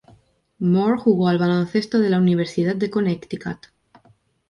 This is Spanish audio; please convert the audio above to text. Moore jugó al baloncesto de la Universidad de Connecticut.